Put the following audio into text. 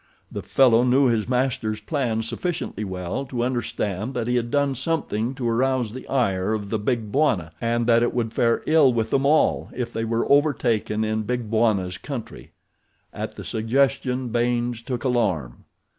The fellow knew his master's plans sufficiently well to understand that he had done something to arouse the ire of the Big Bwana and that it would fare ill with them all if they were overtaken in Big Bwana's country. At the suggestion Baynes took alarm.